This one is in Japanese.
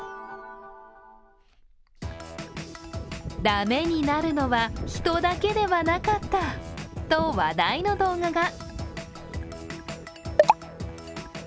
だめになるのは人だけではなかったと話題の動画が。